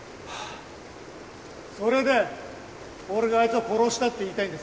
それで俺があいつを殺したって言いたいんですか？